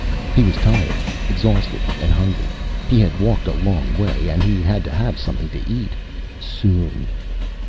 He was tired, exhausted and hungry. He had walked a long way. And he had to have something to eat soon.